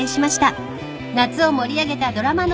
［夏を盛り上げたドラマの主題歌